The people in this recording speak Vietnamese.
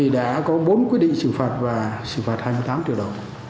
đã có bốn quyết định xử phạt và xử phạt hai mươi tám triệu đồng